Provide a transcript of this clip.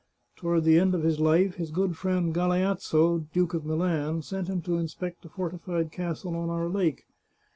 Toward the end of his life his good friend Galeazzo, Duke of Milan, sent him to inspect a fortified castle on our lake.